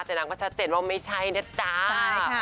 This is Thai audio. แต่นังก็ชัดเจนว่าไม่ใช่นะจ๊ะใช่ค่ะ